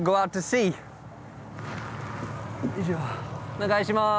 お願いします。